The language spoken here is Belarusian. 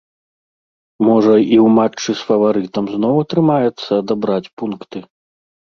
Можа, і ў матчы з фаварытам зноў атрымаецца адабраць пункты.